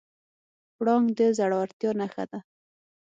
پړانګ د زړورتیا نښه ده.